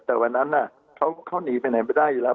แต่วันนั้นเขาหนีไปไหนไม่ได้อยู่แล้ว